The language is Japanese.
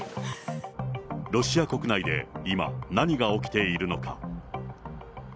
ロシア国内で今、何が起きているのか。